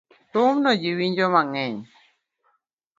Thumno ji winjo mang'eny